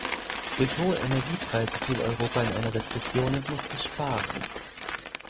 Durch hohe Energiepreise fiel Europa in eine Rezession und musste sparen.